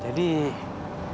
jadi salut agust dio